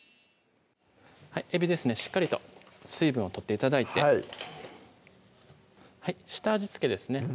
えびですねしっかりと水分を取って頂いて下味付けですね